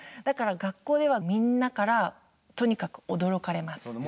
だから学校ではみんなからとにかく驚かれます。